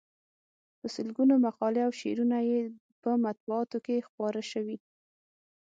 په سلګونو مقالې او شعرونه یې په مطبوعاتو کې خپاره شوي.